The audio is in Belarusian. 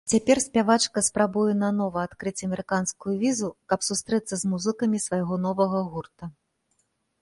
Цяпер спявачка спрабуе нанова адкрыць амерыканскую візу, каб сустрэцца з музыкамі свайго новага гурта.